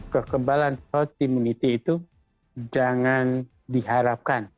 kekebalan herd immunity itu jangan diharapkan